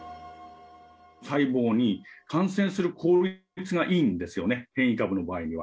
細胞に感染する効率がいいんですよね、変異株の場合には。